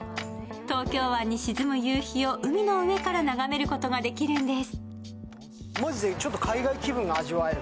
東京湾に沈む夕日を海の上から眺めることができるんです。